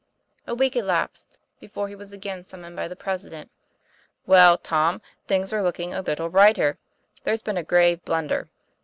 A week elapsed before he was again summoned by the President. "Well, Tom, things are looking a little brighter. There's been a grave blunder.